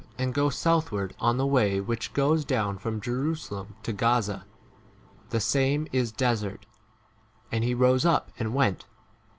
and go southward on the way which goes down from Jerusalem to Gaza : the same is desert. 2 7 And he rose up and went.